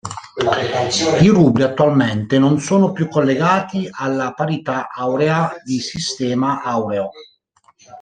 I rubli attualmente non sono più collegati alla parità aurea di Sistema aureo.